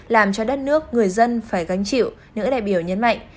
làm cho đất nước người dân phải gánh chịu nữ đại biểu nhấn mạnh